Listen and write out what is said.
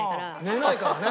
寝ないからね。